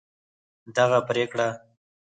دغه پرېکړه